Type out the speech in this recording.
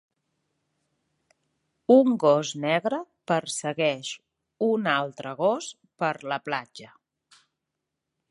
Un gos negre persegueix un altre gos per la platja.